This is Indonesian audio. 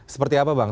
seperti apa bang